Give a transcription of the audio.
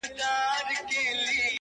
ستا د دواړو سترگو سمندر گلي،